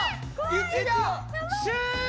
１秒終了！